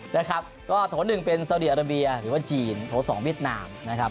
นะครับก็โถ๑เป็นสาวดีอาราเบียหรือว่าจีนโถ๒เวียดนามนะครับ